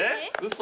嘘。